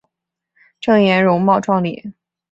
郑俨容貌壮丽。